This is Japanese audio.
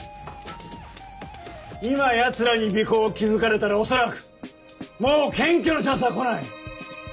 今ヤツらに尾行を気付かれたら恐らくもう検挙のチャンスは来ない。